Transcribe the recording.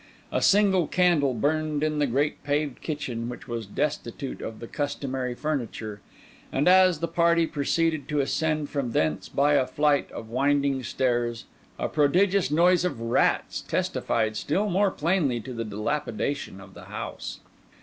A single candle burned in the great paved kitchen, which was destitute of the customary furniture; and as the party proceeded to ascend from thence by a flight of winding stairs, a prodigious noise of rats testified still more plainly to the dilapidation of the house.